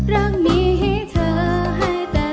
รักมีให้เธอให้แต่